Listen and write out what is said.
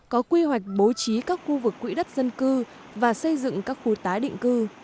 có quy hoạch bố trí các khu vực quỹ đất dân cư và xây dựng các khu tái định cư